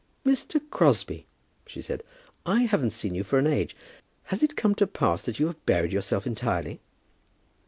"Mr. Crosbie," she said, "I haven't seen you for an age. Has it come to pass that you have buried yourself entirely?"